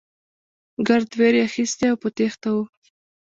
ګرد وېرې اخيستي او په تېښته وو.